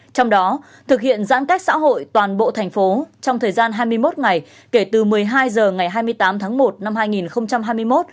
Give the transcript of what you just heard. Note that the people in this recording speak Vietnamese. trong đó thực hiện giãn cách xã hội toàn bộ thành phố trong thời gian hai mươi một ngày kể từ một mươi hai h ngày hai mươi tám tháng một năm hai nghìn hai mươi một